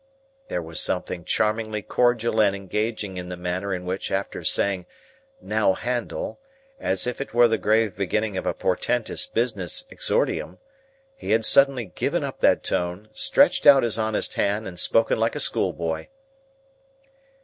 There was something charmingly cordial and engaging in the manner in which after saying "Now, Handel," as if it were the grave beginning of a portentous business exordium, he had suddenly given up that tone, stretched out his honest hand, and spoken like a schoolboy.